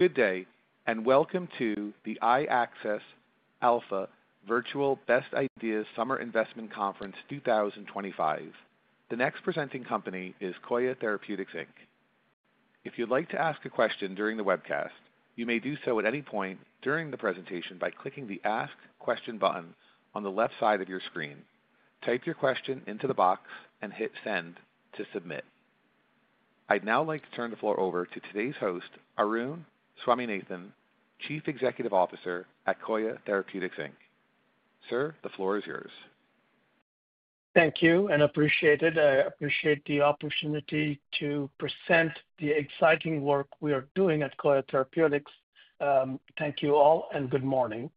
Good day, and welcome to the iAccess Alpha Virtual Best Ideas Summer Investment Conference 2025. The next presenting company is Coya Therapeutics. If you'd like to ask a question during the webcast, you may do so at any point during the presentation by clicking the Ask Question button on the left side of your screen. Type your question into the box and hit Send to submit. I'd now like to turn the floor over to today's host, Arun Swaminathan, Chief Executive Officer at Coya Therapeutics. Sir, the floor is yours. Thank you, and appreciate it. I appreciate the opportunity to present the exciting work we are doing at Coya Therapeutics. Thank you all, and good morning.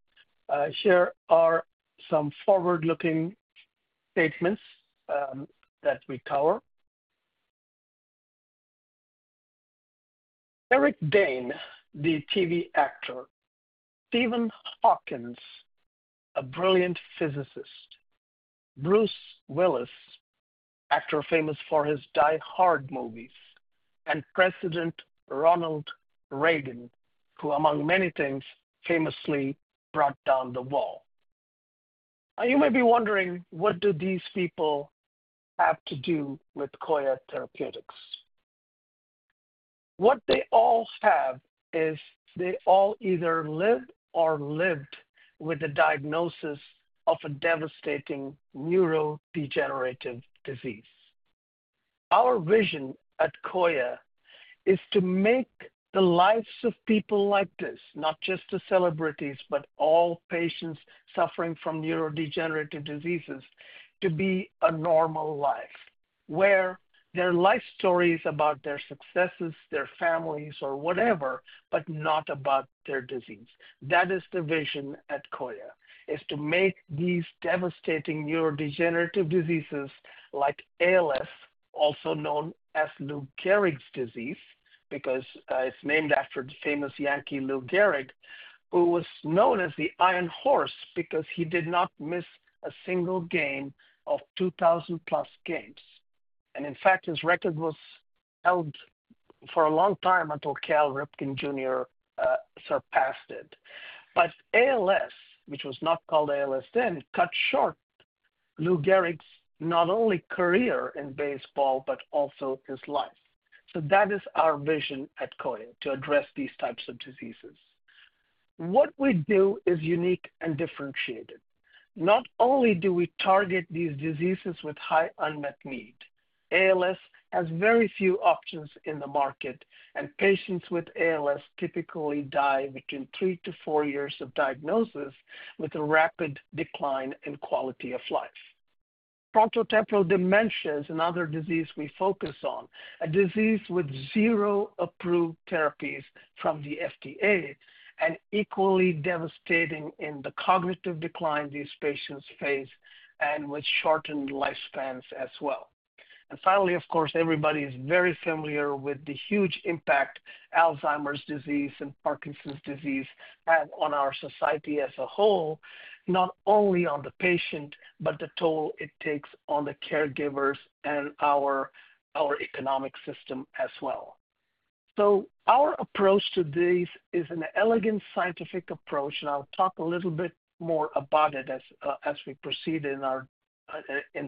Here are some forward-looking statements that we cover. Eric Dane, the TV actor; Stephen Hawking, a brilliant physicist; Bruce Willis, actor famous for his Die Hard movies; and President Ronald Reagan, who, among many things, famously brought down the wall. Now, you may be wondering, what do these people have to do with Coya Therapeutics? What they all have is they all either lived or lived with a diagnosis of a devastating neurodegenerative disease. Our vision at Coya is to make the lives of people like this, not just the celebrities, but all patients suffering from neurodegenerative diseases, to be a normal life, where their life story is about their successes, their families, or whatever, but not about their disease. That is the vision at Coya, is to make these devastating neurodegenerative diseases like ALS, also known as Lou Gehrig's disease, because it's named after the famous Yankee Lou Gehrig, who was known as the Iron Horse because he did not miss a single game of 2,000-plus games. In fact, his record was held for a long time until Cal Ripken Jr. surpassed it. ALS, which was not called ALS then, cut short Lou Gehrig's not only career in baseball, but also his life. That is our vision at Coya, to address these types of diseases. What we do is unique and differentiated. Not only do we target these diseases with high unmet need, ALS has very few options in the market, and patients with ALS typically die between three to four years of diagnosis with a rapid decline in quality of life. Frontotemporal dementia is another disease we focus on, a disease with zero approved therapies from the FDA, and equally devastating in the cognitive decline these patients face and with shortened lifespans as well. Finally, of course, everybody is very familiar with the huge impact Alzheimer's disease and Parkinson's disease have on our society as a whole, not only on the patient, but the toll it takes on the caregivers and our economic system as well. Our approach to this is an elegant scientific approach, and I'll talk a little bit more about it as we proceed in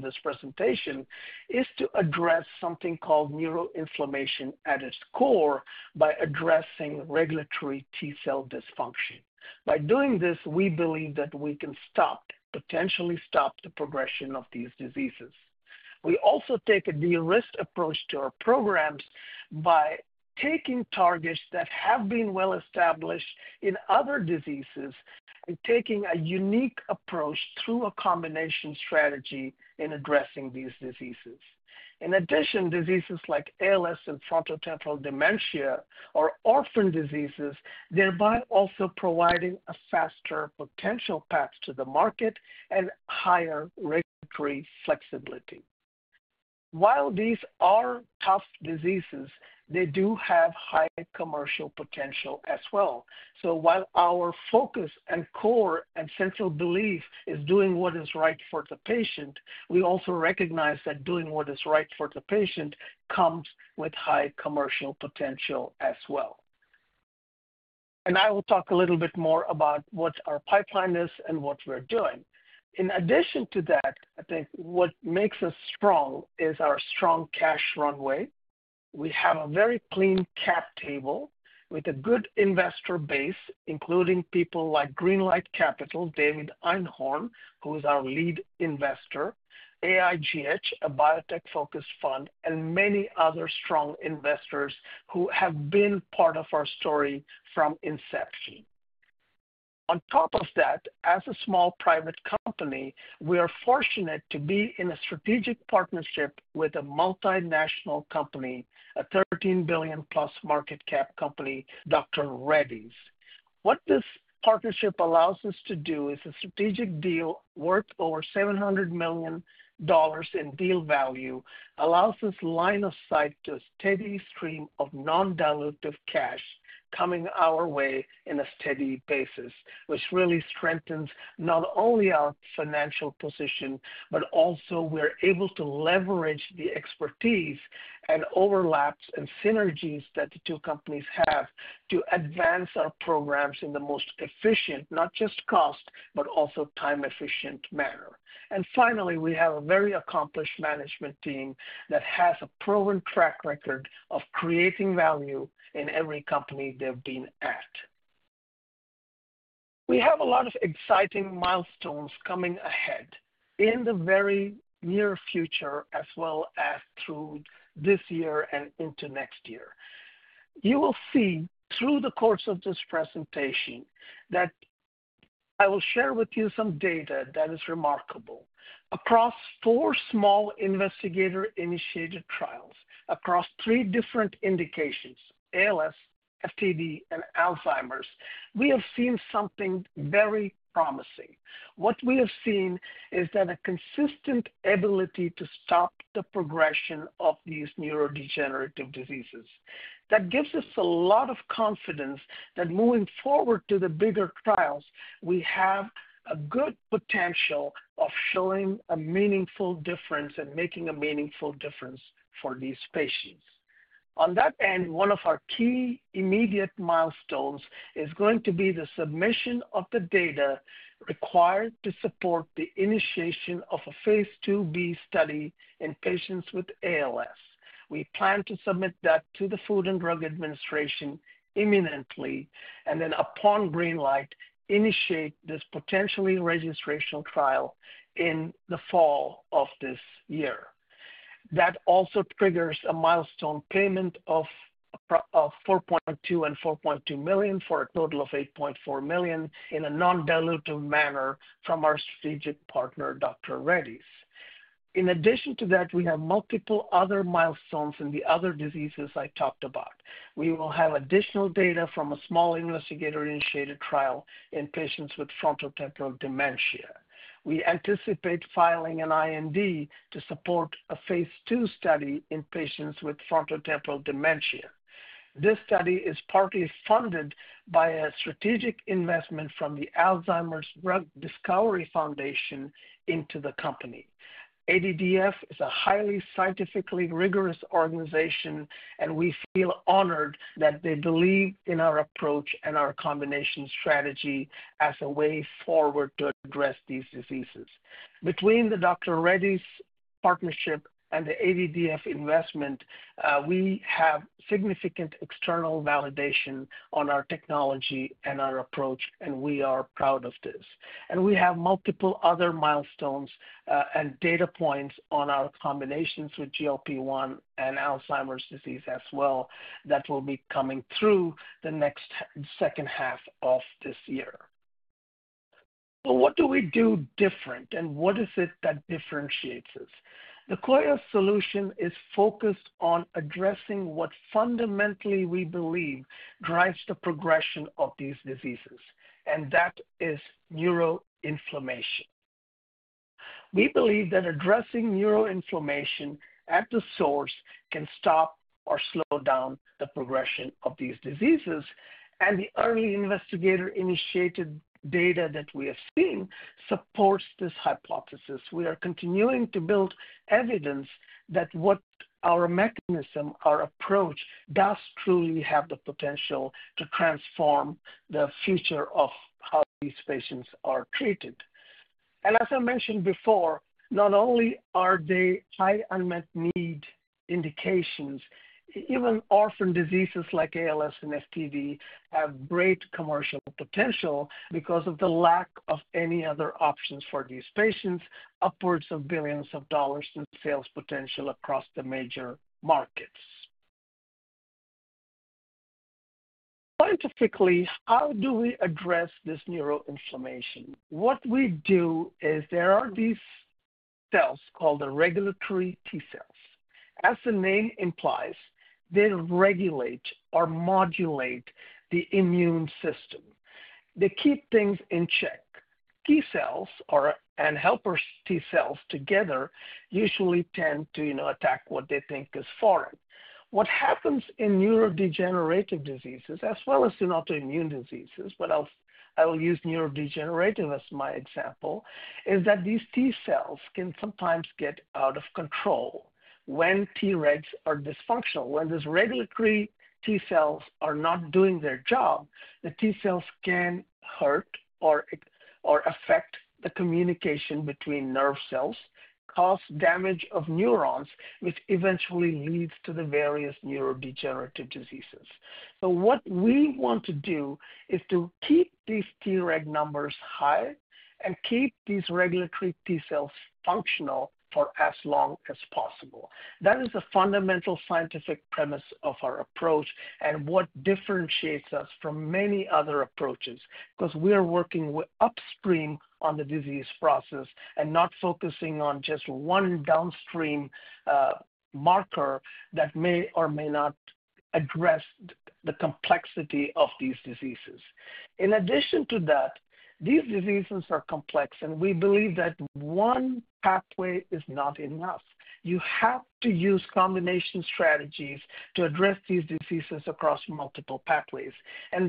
this presentation, is to address something called neuroinflammation at its core by addressing regulatory T-cell dysfunction. By doing this, we believe that we can stop, potentially stop, the progression of these diseases. We also take a de-risk approach to our programs by taking targets that have been well established in other diseases and taking a unique approach through a combination strategy in addressing these diseases. In addition, diseases like ALS and frontotemporal dementia are orphan diseases, thereby also providing a faster potential path to the market and higher regulatory flexibility. While these are tough diseases, they do have high commercial potential as well. While our focus and core and central belief is doing what is right for the patient, we also recognize that doing what is right for the patient comes with high commercial potential as well. I will talk a little bit more about what our pipeline is and what we're doing. In addition to that, I think what makes us strong is our strong cash runway. We have a very clean cap table with a good investor base, including people like Greenlight Capital, David Einhorn, who is our lead investor, AIGH, a biotech-focused fund, and many other strong investors who have been part of our story from inception. On top of that, as a small private company, we are fortunate to be in a strategic partnership with a multinational company, a $13 billion-plus market cap company, Dr. Reddy's. What this partnership allows us to do is a strategic deal worth over $700 million in deal value allows us line of sight to a steady stream of non-dilutive cash coming our way in a steady basis, which really strengthens not only our financial position, but also we're able to leverage the expertise and overlaps and synergies that the two companies have to advance our programs in the most efficient, not just cost, but also time-efficient manner. We have a very accomplished management team that has a proven track record of creating value in every company they've been at. We have a lot of exciting milestones coming ahead in the very near future, as well as through this year and into next year. You will see through the course of this presentation that I will share with you some data that is remarkable. Across four small investigator-initiated trials, across three different indications, ALS, FTD, and Alzheimer's, we have seen something very promising. What we have seen is that a consistent ability to stop the progression of these neurodegenerative diseases. That gives us a lot of confidence that moving forward to the bigger trials, we have a good potential of showing a meaningful difference and making a meaningful difference for these patients. On that end, one of our key immediate milestones is going to be the submission of the data required to support the initiation of a phase II B study in patients with ALS. We plan to submit that to the Food and Drug Administration imminently, and then upon green light, initiate this potentially registration trial in the fall of this year. That also triggers a milestone payment of $4.2 million and $4.2 million for a total of $8.4 million in a non-dilutive manner from our strategic partner, Dr. Reddy's. In addition to that, we have multiple other milestones in the other diseases I talked about. We will have additional data from a small investigator-initiated trial in patients with frontotemporal dementia. We anticipate filing an IND to support a phase II study in patients with frontotemporal dementia. This study is partly funded by a strategic investment from the Alzheimer's Drug Discovery Foundation into the company. ADDF is a highly scientifically rigorous organization, and we feel honored that they believe in our approach and our combination strategy as a way forward to address these diseases. Between the Dr. Reddy's partnership and the ADDF investment, we have significant external validation on our technology and our approach, and we are proud of this. We have multiple other milestones and data points on our combinations with GLP-1 and Alzheimer's disease as well that will be coming through the next second half of this year. What do we do different? What is it that differentiates us? The Coya solution is focused on addressing what fundamentally we believe drives the progression of these diseases, and that is neuroinflammation. We believe that addressing neuroinflammation at the source can stop or slow down the progression of these diseases, and the early investigator-initiated data that we have seen supports this hypothesis. We are continuing to build evidence that our mechanism, our approach, does truly have the potential to transform the future of how these patients are treated. As I mentioned before, not only are they high unmet need indications, even orphan diseases like ALS and FTD have great commercial potential because of the lack of any other options for these patients, upwards of billions of dollars in sales potential across the major markets. Scientifically, how do we address this neuroinflammation? What we do is there are these cells called the regulatory T-cells. As the name implies, they regulate or modulate the immune system. They keep things in check. T-cells and helper T-cells together usually tend to attack what they think is foreign. What happens in neurodegenerative diseases, as well as in autoimmune diseases, but I'll use neurodegenerative as my example, is that these T-cells can sometimes get out of control when Tregs are dysfunctional. When these regulatory T-cells are not doing their job, the T-cells can hurt or affect the communication between nerve cells, cause damage of neurons, which eventually leads to the various neurodegenerative diseases. What we want to do is to keep these Treg numbers high and keep these regulatory T-cells functional for as long as possible. That is a fundamental scientific premise of our approach and what differentiates us from many other approaches, because we are working upstream on the disease process and not focusing on just one downstream marker that may or may not address the complexity of these diseases. In addition to that, these diseases are complex, and we believe that one pathway is not enough. You have to use combination strategies to address these diseases across multiple pathways.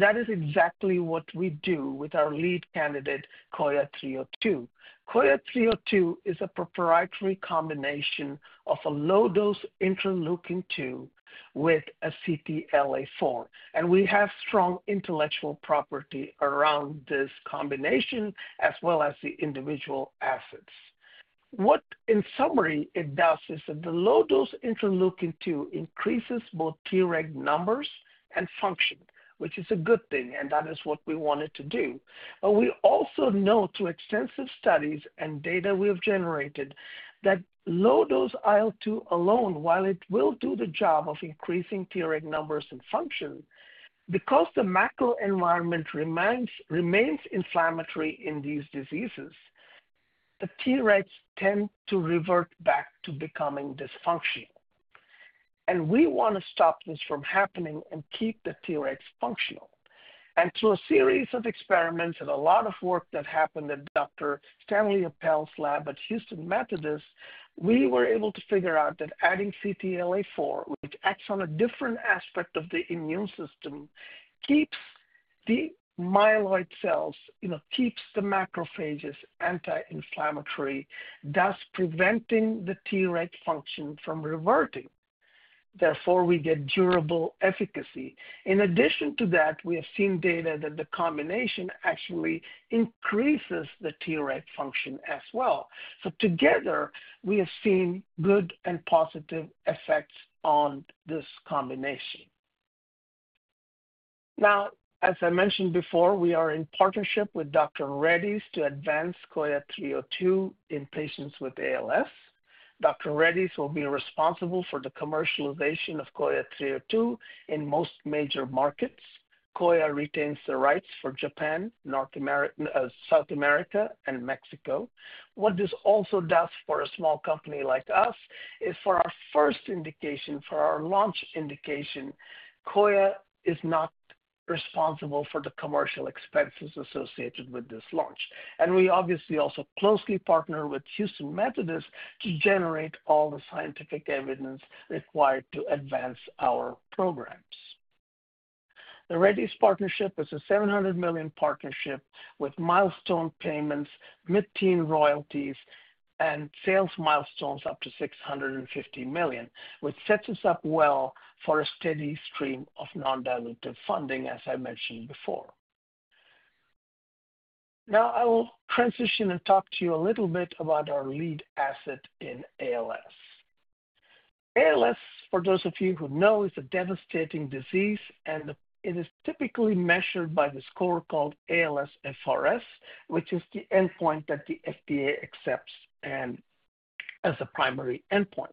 That is exactly what we do with our lead candidate, COYA 302. COYA 302 is a proprietary combination of a low-dose interleukin-2 with a CTLA4. We have strong intellectual property around this combination, as well as the individual assets. What, in summary, it does is that the low-dose interleukin-2 increases both Treg numbers and function, which is a good thing, and that is what we wanted to do. We also know through extensive studies and data we have generated that low-dose IL-2 alone, while it will do the job of increasing Treg numbers and function, because the macro environment remains inflammatory in these diseases, the Tregs tend to revert back to becoming dysfunctional. We want to stop this from happening and keep the Tregs functional. Through a series of experiments and a lot of work that happened at Dr. Stanley Appel's lab at Houston Methodist, we were able to figure out that adding CTLA4, which acts on a different aspect of the immune system, keeps the myeloid cells, keeps the macrophages anti-inflammatory, thus preventing the Treg function from reverting. Therefore, we get durable efficacy. In addition to that, we have seen data that the combination actually increases the Treg function as well. Together, we have seen good and positive effects on this combination. As I mentioned before, we are in partnership with Dr. Reddy's to advance COYA 302 in patients with ALS. Dr. Reddy's will be responsible for the commercialization of COYA 302 in most major markets. Coya retains the rights for Japan, South America, and Mexico. What this also does for a small company like us is for our first indication, for our launch indication, Coya is not responsible for the commercial expenses associated with this launch. We obviously also closely partner with Houston Methodist to generate all the scientific evidence required to advance our programs. The Reddy's partnership is a $700 million partnership with milestone payments, mid-teen royalties, and sales milestones up to $650 million, which sets us up well for a steady stream of non-dilutive funding, as I mentioned before. Now, I will transition and talk to you a little bit about our lead asset in ALS. ALS, for those of you who know, is a devastating disease, and it is typically measured by the score called ALS-FRS, which is the endpoint that the FDA accepts as the primary endpoint.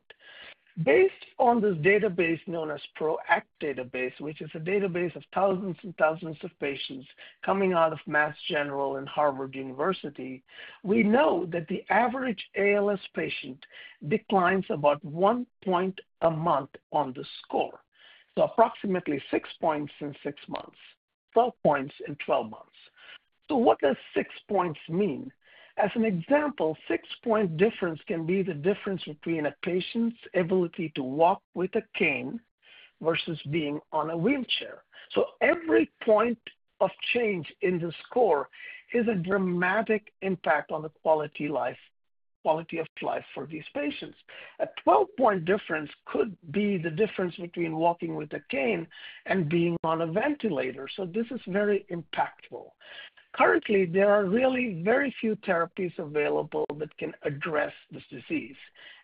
Based on this database known as PRO-ACT database, which is a database of thousands and thousands of patients coming out of Massachusetts General Hospital and Harvard University, we know that the average ALS patient declines about one point a month on the score. So approximately six points in six months, 12 points in 12 months. What does six points mean? As an example, six-point difference can be the difference between a patient's ability to walk with a cane versus being on a wheelchair. Every point of change in the score is a dramatic impact on the quality of life for these patients. A 12-point difference could be the difference between walking with a cane and being on a ventilator. This is very impactful. Currently, there are really very few therapies available that can address this disease.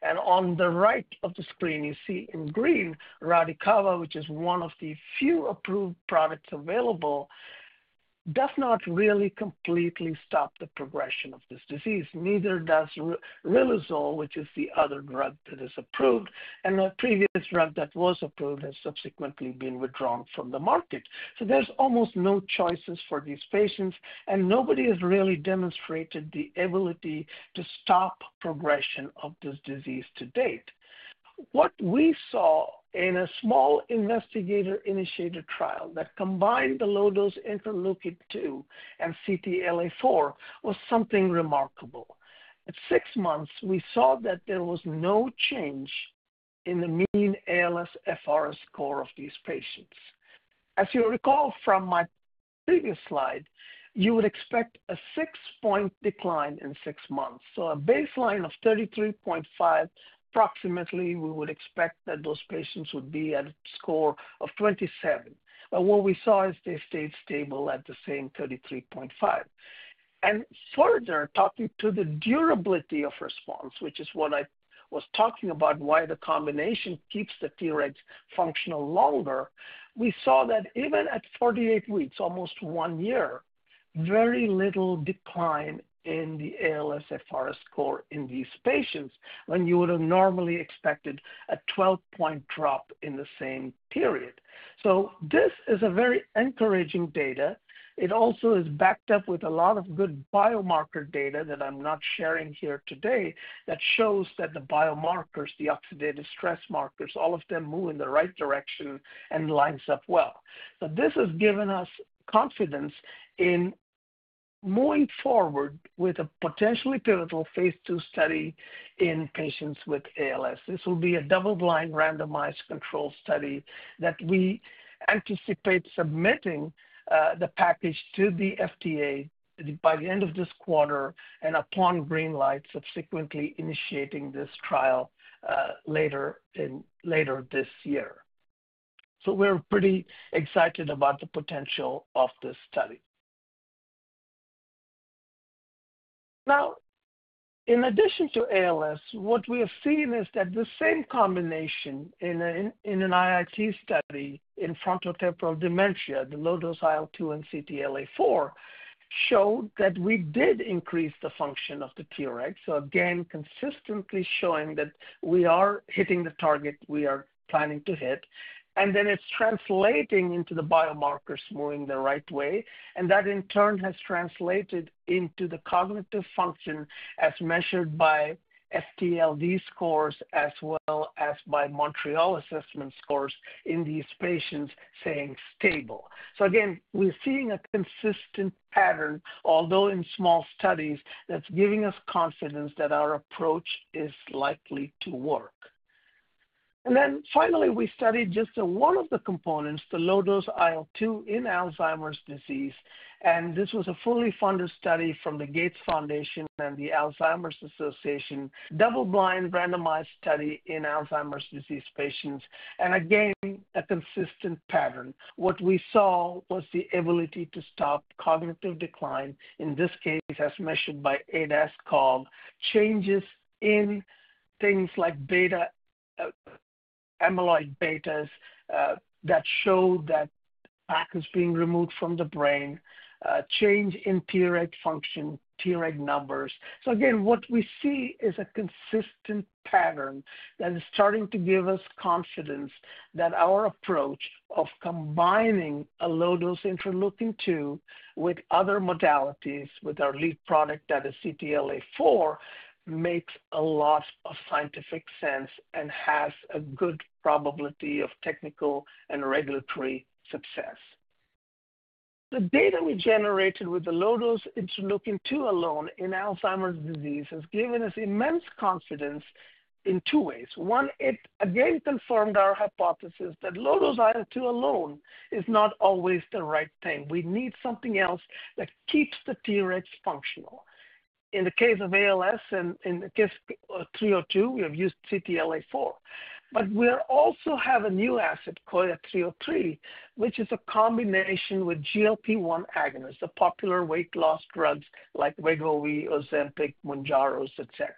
On the right of the screen, you see in green, Radicava, which is one of the few approved products available, does not really completely stop the progression of this disease. Neither does Riluzole, which is the other drug that is approved, and a previous drug that was approved has subsequently been withdrawn from the market. There are almost no choices for these patients, and nobody has really demonstrated the ability to stop progression of this disease to date. What we saw in a small investigator-initiated trial that combined the low-dose interleukin-2 and CTLA4 was something remarkable. At six months, we saw that there was no change in the mean ALS-FRS score of these patients. As you recall from my previous slide, you would expect a six-point decline in six months. A baseline of 33.5, approximately, we would expect that those patients would be at a score of 27. What we saw is they stayed stable at the same 33.5. Further, talking to the durability of response, which is what I was talking about, why the combination keeps the Tregs functional longer, we saw that even at 48 weeks, almost one year, very little decline in the ALS-FRS score in these patients when you would have normally expected a 12-point drop in the same period. This is very encouraging data. It also is backed up with a lot of good biomarker data that I'm not sharing here today that shows that the biomarkers, the oxidative stress markers, all of them move in the right direction and lines up well. This has given us confidence in moving forward with a potentially pivotal phase II study in patients with ALS. This will be a double-blind randomized control study that we anticipate submitting the package to the FDA by the end of this quarter and upon green light, subsequently initiating this trial later this year. We are pretty excited about the potential of this study. In addition to ALS, what we have seen is that the same combination in an IIT study in frontotemporal dementia, the low-dose IL-2 and CTLA4, showed that we did increase the function of the Treg. Again, consistently showing that we are hitting the target we are planning to hit. It is translating into the biomarkers moving the right way. That, in turn, has translated into the cognitive function as measured by FTLD scores, as well as by Montreal assessment scores in these patients, staying stable. Again, we're seeing a consistent pattern, although in small studies, that's giving us confidence that our approach is likely to work. Finally, we studied just one of the components, the low-dose IL-2 in Alzheimer's disease. This was a fully funded study from the Gates Foundation and the Alzheimer's Association. Double-blind randomized study in Alzheimer's disease patients. Again, a consistent pattern. What we saw was the ability to stop cognitive decline, in this case, as measured by ADAS-COG, changes in things like amyloid betas that show that plaque is being removed from the brain, change in Treg function, Treg numbers. Again, what we see is a consistent pattern that is starting to give us confidence that our approach of combining a low-dose interleukin-2 with other modalities with our lead product that is CTLA4 makes a lot of scientific sense and has a good probability of technical and regulatory success. The data we generated with the low-dose interleukin-2 alone in Alzheimer's disease has given us immense confidence in two ways. One, it again confirmed our hypothesis that low-dose IL-2 alone is not always the right thing. We need something else that keeps the Tregs functional. In the case of ALS and in the case of 302, we have used CTLA4. We also have a new asset, COYA 303, which is a combination with GLP-1 agonists, the popular weight loss drugs like Wegovy, Ozempic, Mounjaro, etc.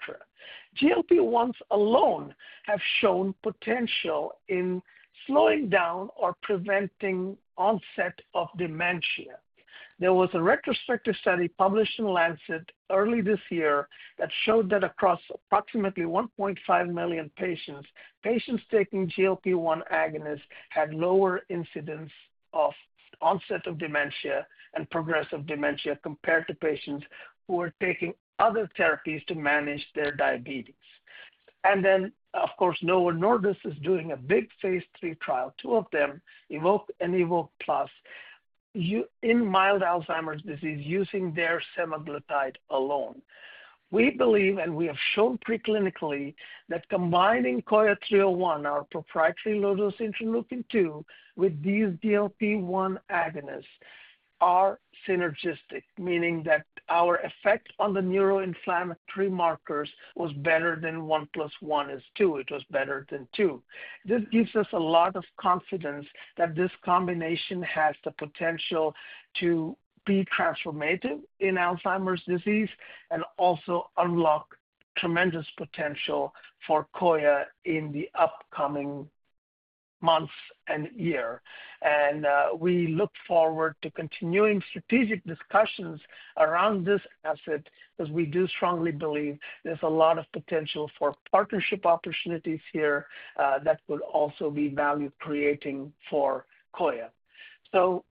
GLP-1s alone have shown potential in slowing down or preventing onset of dementia. There was a retrospective study published in Lancet early this year that showed that across approximately 1.5 million patients, patients taking GLP-1 agonists had lower incidence of onset of dementia and progressive dementia compared to patients who were taking other therapies to manage their diabetes. Of course, Novo Nordisk is doing a big phase III trial, two of them, Invoke and Invoke Plus, in mild Alzheimer's disease using their semaglutide alone. We believe, and we have shown preclinically, that combining COYA 301, our proprietary low-dose interleukin-2, with these GLP-1 agonists are synergistic, meaning that our effect on the neuroinflammatory markers was better than 1 plus 1 is 2. It was better than 2. This gives us a lot of confidence that this combination has the potential to be transformative in Alzheimer's disease and also unlock tremendous potential for Coya in the upcoming months and year. We look forward to continuing strategic discussions around this asset because we do strongly believe there's a lot of potential for partnership opportunities here that would also be value-creating for Coya.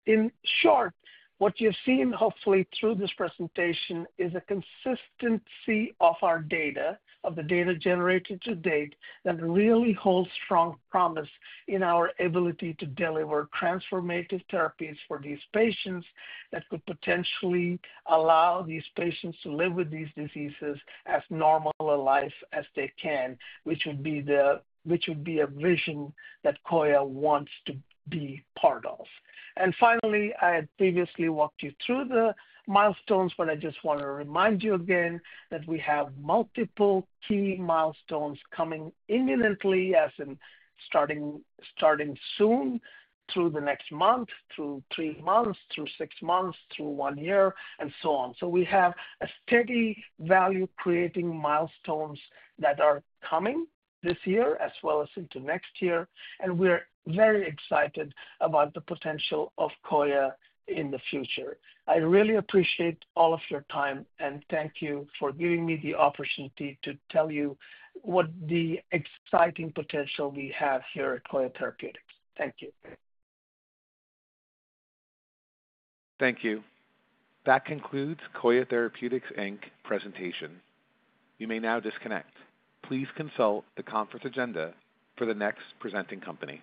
In short, what you've seen, hopefully, through this presentation is a consistency of our data, of the data generated to date, that really holds strong promise in our ability to deliver transformative therapies for these patients that could potentially allow these patients to live with these diseases as normal a life as they can, which would be a vision that Coya wants to be part of. Finally, I had previously walked you through the milestones, but I just want to remind you again that we have multiple key milestones coming imminently, as in starting soon, through the next month, through three months, through six months, through one year, and so on. We have steady value-creating milestones that are coming this year, as well as into next year. We are very excited about the potential of Coya in the future. I really appreciate all of your time, and thank you for giving me the opportunity to tell you what the exciting potential we have here at Coya Therapeutics. Thank you. Thank you. That concludes Coya Therapeutics Inc presentation. You may now disconnect. Please consult the conference agenda for the next presenting company.